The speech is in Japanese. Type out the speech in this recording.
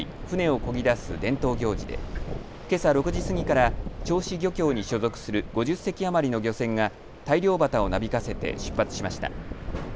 船をこぎ出す伝統行事でけさ６時過ぎから銚子漁協に所属する５０隻余りの漁船が大漁旗をなびかせて出発しました。